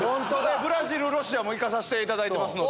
ブラジル、ロシアも行かさしていただいてますんで。